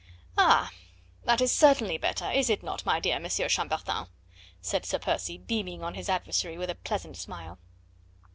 "Ah! that is certainly better, is it not, my dear M. Chambertin?" said Sir Percy, beaming on his adversary with a pleasant smile.